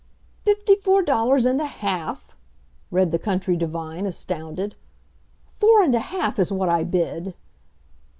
"Fifty four dollars and a half!" read the country divine, astounded. "Four and a half is what I bid!"